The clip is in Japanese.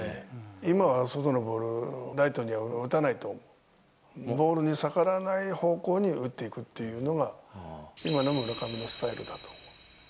今は外のボールをライトには打たないと、ボールに逆らわない方向に打っていくっていうのが、今の村上のスタイルだと思う。